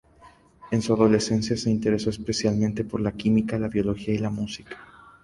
En su adolescencia, se interesó especialmente por la química, la biología y la música.